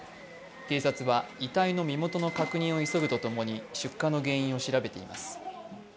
警察は遺体の身元の確認を急ぐとともに、出火の原因を調べています。